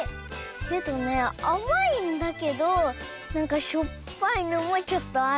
けどねあまいんだけどなんかしょっぱいのもちょっとある。